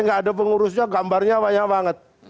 nggak ada pengurusnya gambarnya banyak banget